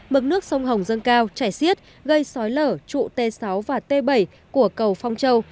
mực nước sông hồng dân cao chảy xiết gây sói lở trụ t sáu và t bảy của cầu phong châu